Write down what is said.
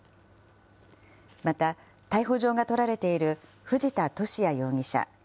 また、逮捕状が取られている藤田聖也容疑者。